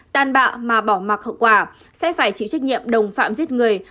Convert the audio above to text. đàn bạo mà bỏ mặc hậu quả sẽ phải chịu trách nhiệm đồng phạm giết người